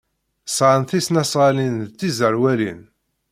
Sɛan tisnasɣalin d tiẓerwalin.